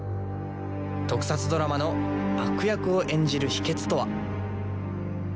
特撮ドラマの悪役を演じる秘けつとは。